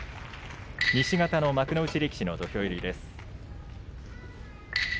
西方の幕内力士の土俵入りです。